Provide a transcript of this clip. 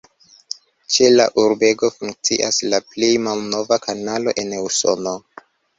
Ĉe la urbego funkcias la plej malnova kanalo en Usono.